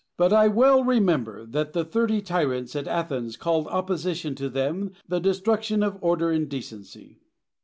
But I well remember that the thirty tyrants at Athens called opposition to them the destruction of order and decency.